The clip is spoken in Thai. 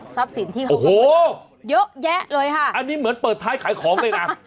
ทรัพย์ศิลป์ที่เขาขายมาเยอะแยะเลยค่ะโอ้โหอันนี้เหมือนเปิดท้ายขายของเลยนะ